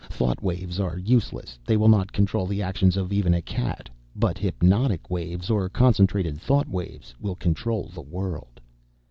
Thought waves are useless; they will not control the actions of even a cat. But hypnotic waves or concentrated thought waves will control the world."